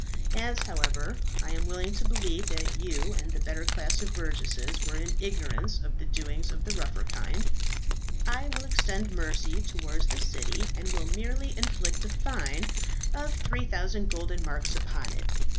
As, however, I am willing to believe that you and the better class of burgesses were in ignorance of the doings of the rougher kind, I will extend mercy towards the city, and will merely inflict a fine of 3000 golden marks upon it."